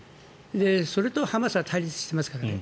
それとハマスは対立していますからね。